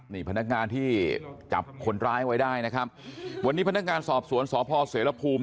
นี่พนักงานที่จับคนร้ายไว้ได้นะครับวันนี้พนักงานสอบสวนสพเสรภูมิ